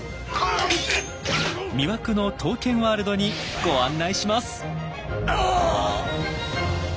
魅惑の刀剣ワールドにご案内します！